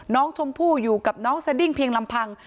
น้องชมพู่อยู่กับน้องสดิ้งเพียงลำพัง